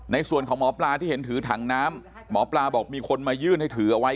ในส่วนของหมอปลาที่เห็นถือถังน้ำหมอปลาบอกมีคนมายื่นให้ถือเอาไว้